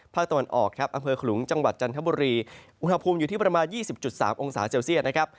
ตะวันออกครับอำเภอขลุงจังหวัดจันทบุรีอุณหภูมิอยู่ที่ประมาณ๒๐๓องศาเซลเซียตนะครับ